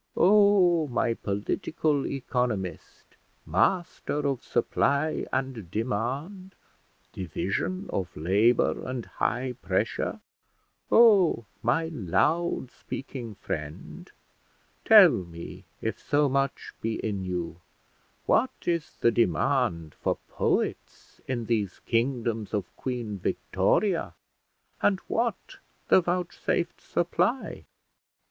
Oh, my political economist, master of supply and demand, division of labour and high pressure oh, my loud speaking friend, tell me, if so much be in you, what is the demand for poets in these kingdoms of Queen Victoria, and what the vouchsafed supply?"